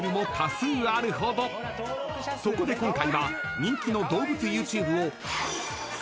［そこで今回は人気の動物ＹｏｕＴｕｂｅを］